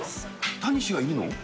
タニシがいるの？